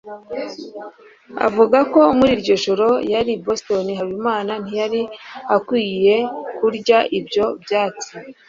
avuga ko muri iryo joro yari i Boston. Habimana ntiyari akwiye kurya ibyo byatsi.